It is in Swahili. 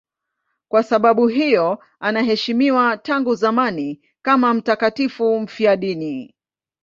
Kwa sababu hiyo anaheshimiwa tangu zamani kama mtakatifu mfiadini.